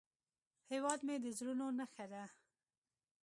هیواد مې د زړونو نخښه ده